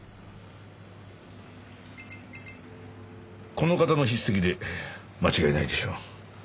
この方の筆跡で間違いないでしょう。